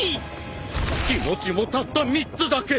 気持ちもたった３つだけ。